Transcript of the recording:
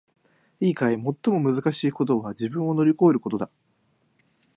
いいかい！最もむずかしいことは自分を乗り越えることだ！